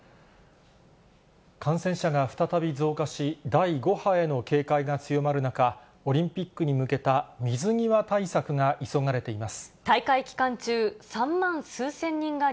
感染者が再び増加し、第５波への警戒が強まる中、オリンピックに向けた水際対策が急がれています。